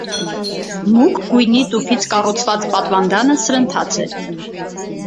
Մուգ գույնի տուֆից կառուցված պատվանդանը սրընթաց է։